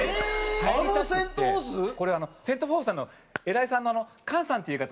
これセント・フォースさんの偉いさんの菅さんっていう方。